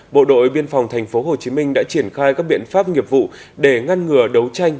bộ đội biên phòng tp hcm đã triển khai các biện pháp nghiệp vụ để ngăn ngừa đấu tranh